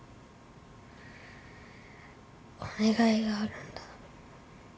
お願いがあるんだ。